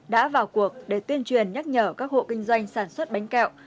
đã vào cuộc để tuyên truyền nhắc nhở các hộ kinh doanh sản xuất bánh kẹo